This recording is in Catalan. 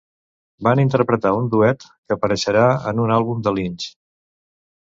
Van interpretar un duet que apareixerà en un àlbum de Lynch.